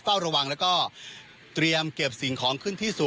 เฝ้าระวังแล้วก็เตรียมเก็บสิ่งของขึ้นที่สู่